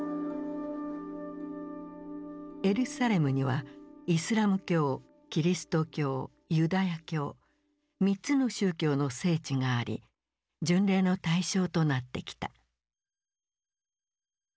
エルサレムにはイスラム教キリスト教ユダヤ教３つの宗教の聖地があり巡礼の対象となってきた。